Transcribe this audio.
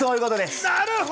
なるほど。